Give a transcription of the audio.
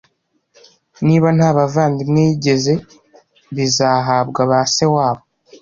niba nta bavandimwe yigeze, bizahabwa ba se wabo.